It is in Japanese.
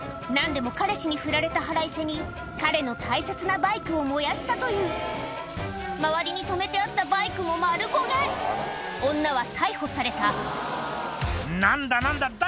何でも彼氏にフラれた腹いせに彼の大切なバイクを燃やしたという周りに止めてあったバイクも丸焦げ女は逮捕された「何だ何だ？